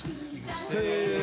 せの。